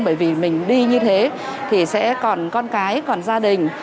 bởi vì mình đi như thế thì sẽ còn con cái còn gia đình